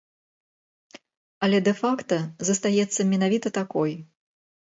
Але дэ-факта застаецца менавіта такой.